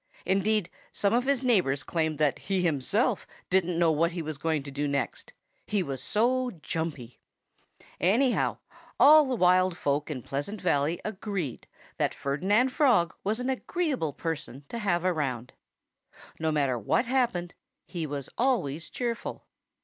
Indeed, some of his neighbors claimed that he himself didn't know what he was going to do next he was so jumpy. Anyhow, all the wild folk in Pleasant Valley agreed that Ferdinand Frog was an agreeable person to have around. No matter what happened, he was always cheerful.